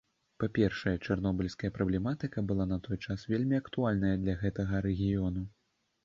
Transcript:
Па-першае, чарнобыльская праблематыка была на той час вельмі актуальная для гэтага рэгіёну.